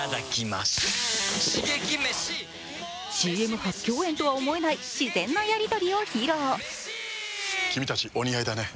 ＣＭ初共演とは思えない自然なやり取りを披露。